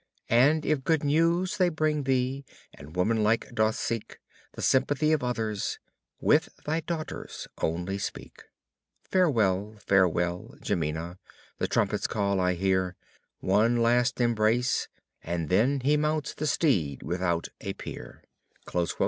And if good news they bring thee, and woman like dost seek The sympathy of others, with thy daughters only speak. Farewell, farewell, Jimena, the trumpet's call I hear! One last embrace, and then he mounts the steed without a peer."